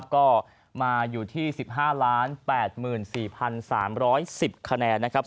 ก็มาอยู่ที่๑๕๘๔๓๑๐คะแนนนะครับ